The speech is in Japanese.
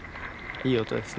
いい音です。